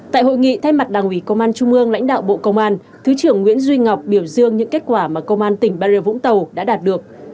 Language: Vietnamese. tại hội nghị thay mặt đảng ủy công an trung ương lãnh đạo bộ công an thứ trưởng nguyễn duy ngọc biểu dương những kết quả mà công an tỉnh bà rịa vũng tàu đã đạt được